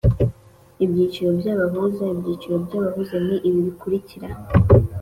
Ibyiciro by’abahuza Ibyiciro by'abahuza ni ibi bikurikira: